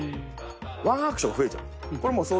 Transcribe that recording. ワンアクション増えちゃうんです。